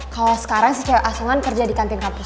kalau sekarang si cewek asongan kerja di kantin kapus